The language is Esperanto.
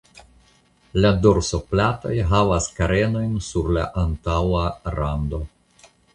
La dorsoplatoj havas karenojn sur la antaŭa rando.